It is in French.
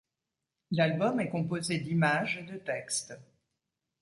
L’album est composé d’images et de textes.